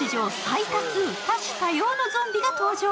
パーク史上最多数、多種多様のゾンビが登場。